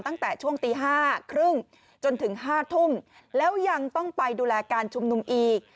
ตั้งแต่ช่วงตี๕๓๐จนถึง๕ทุ่มแล้วยังต้องไปดูแลการชุมนุมอีก